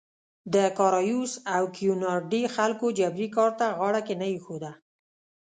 د کارایوس او کیورانډي خلکو جبري کار ته غاړه کې نه ایښوده.